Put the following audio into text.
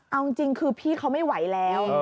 เอาจริงคือพี่เขาไม่ไหวแล้ว